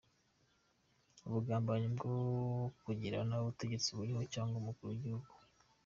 – Ubugambanyi bwo kugirira nabi Ubutegetsi buriho cyangwa umukuru w’igihugu,